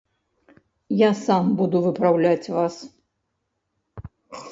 Я сам буду выпраўляць вас.